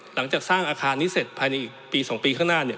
หลังจากสร้างอาคารนี้เสร็จภายในอีกปี๒ปีข้างหน้าเนี่ย